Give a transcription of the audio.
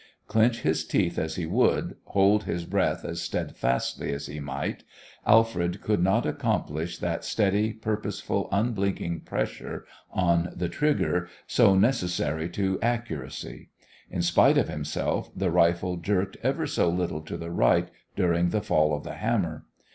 Clench his teeth as he would, hold his breath as steadfastly as he might, Alfred could not accomplish that steady, purposeful, unblinking pressure on the trigger so necessary to accuracy. In spite of himself, the rifle jerked ever so little to the right during the fall of the hammer.